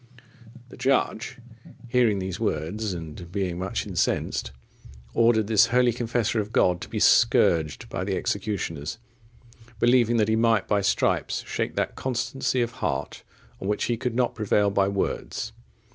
The judge, hearing these words, and being much incensed, ordered this holy confessor of God to be scourged by the executioners, believing that he might by stripes shake that constancy of heart, on which he could not prevail by words.